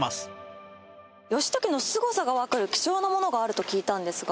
義時のすごさがわかる貴重なものがあると聞いたんですが。